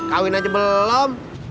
kawin aja belom